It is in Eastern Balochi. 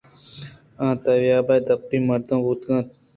آ تیاب دپی مردم بوتگ اَنت۔